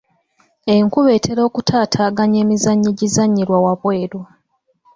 Enkuba etera okutaataaganya emizannyo egizannyibwa waabweru.